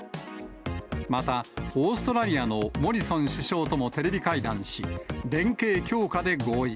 また、オーストラリアのモリソン首相ともテレビ会談し、連携強化で合意。